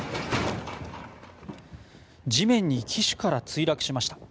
地面に機首から墜落しました。